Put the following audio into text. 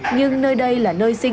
nhưng nơi đây là nơi xây dựng